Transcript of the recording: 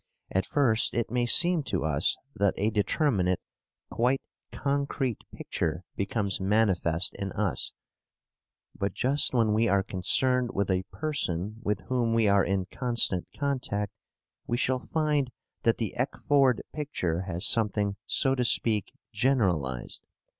At first it may seem to us that a determinate quite concrete picture becomes manifest in us, but just when we are concerned with a person with whom we are in constant contact, we shall find that the ekphored picture has something so to speak generalized.